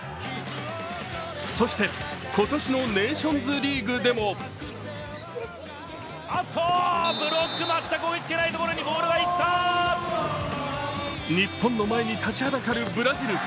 そして今年のネーションズリーグでも日本の前に立ちはだかるブラジル。